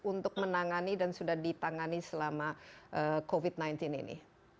untuk menangani dan sudah ditangani selama covid sembilan belas ini